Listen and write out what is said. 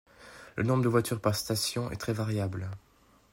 Le nombre de voitures par station est très variable.